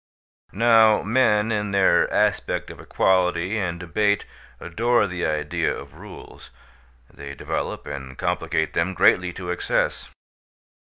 Now men in their aspect of equality and debate adore the idea of rules; they develop and complicate them greatly to excess.